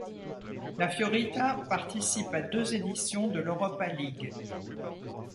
La Fiorita participe à deux éditions de l'Europa League.